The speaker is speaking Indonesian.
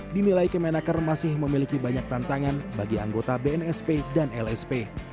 dinilai kemenaker masih memiliki banyak tantangan bagi anggota bnsp dan lsp